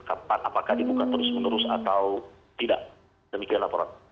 kapan apakah dibuka terus menerus atau tidak demikian laporan